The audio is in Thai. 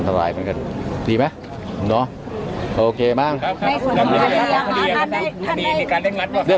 ตราบใดที่ตนยังเป็นนายกอยู่